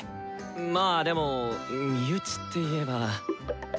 まぁでも身内っていえば。